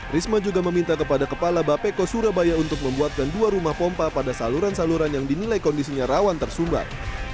risma juga meminta kepada kepala bapeko surabaya untuk membuatkan dua rumah pompa pada saluran saluran yang dinilai kondisinya rawan tersumbat